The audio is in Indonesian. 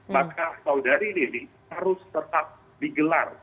maka saudari lili harus tetap digelar